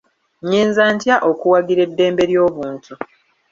Nnyinza ntya okuwagira eddembe ly'obuntu?